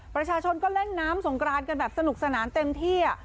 ประชาชนก็เล่นน้ำสงกรานกันแบบสนุกสนานเต็มที่